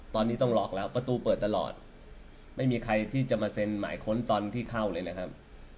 ตอนนี้ต้องหลอกแล้วประตูเปิดตลอดไม่มีใครที่จะมาเซ็นหมายค้นตอนที่เข้าเลยนะครับ